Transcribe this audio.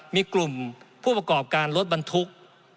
มีกลุ่มผู้ประกอบการรถบรรทุก